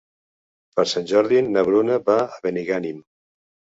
Per Sant Jordi na Bruna va a Benigànim.